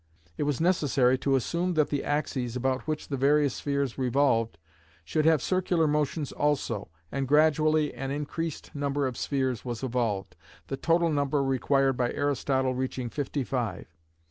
It was necessary to assume that the axes about which the various spheres revolved should have circular motions also, and gradually an increased number of spheres was evolved, the total number required by Aristotle reaching fifty five.